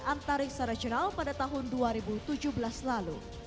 antariksa regional pada tahun dua ribu tujuh belas lalu